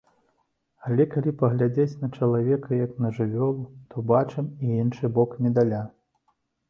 Але калі паглядзець на чалавека як на жывёлу, то бачым і іншы бок медаля.